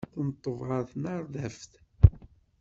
Tenṭeb ɣer tnerdabt.